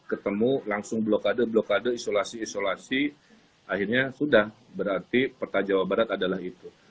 ketemu langsung blokade blokade isolasi isolasi akhirnya sudah berarti peta jawa barat adalah itu